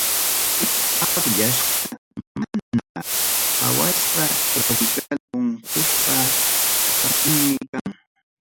Kayta akllasqa mana qhawasqa tropical unqusqa kaqhina kan.